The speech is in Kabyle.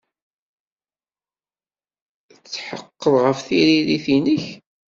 Tetḥeqqeḍ ɣef tririt-nnek?